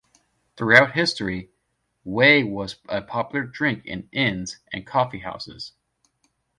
Throughout history, whey was a popular drink in inns and coffee houses.